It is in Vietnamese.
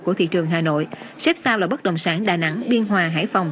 của thị trường hà nội xếp sau là bất đồng sản đà nẵng biên hòa hải phòng